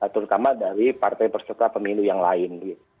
terutama dari partai perserta pemilu yang lain